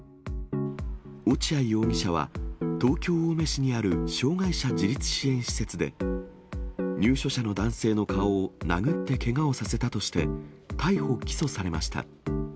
落合容疑者は、東京・青梅市にある障がい者自立支援施設で、入所者の男性の顔を殴ってけがをさせたとして、逮捕・起訴されました。